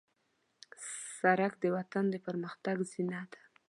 سړک د وطن د پرمختګ زینه ده.